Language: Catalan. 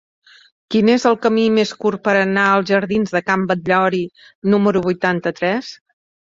Quin és el camí més curt per anar als jardins de Can Batllori número vuitanta-tres?